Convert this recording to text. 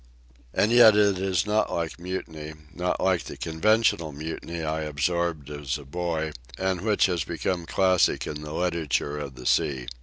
And yet it is not like mutiny—not like the conventional mutiny I absorbed as a boy, and which has become classic in the literature of the sea.